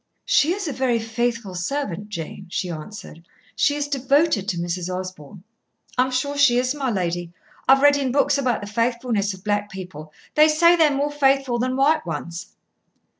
"She is a very faithful servant, Jane," she answered. "She is devoted to Mrs. Osborn." "I am sure she is, my lady. I've read in books about the faithfulness of black people. They say they're more faithful than white ones."